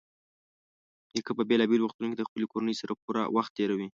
نیکه په بېلابېلو وختونو کې د خپلې کورنۍ سره پوره وخت تېروي.